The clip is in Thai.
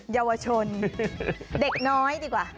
เยาวชนเด็กน้อยดีกว่า